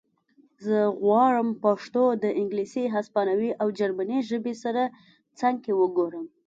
زه غواړم پښتو د انګلیسي هسپانوي او جرمنۍ ژبې سره څنګ کې وګورم